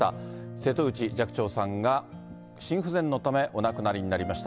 瀬戸内寂聴さんが心不全のため、お亡くなりになりました。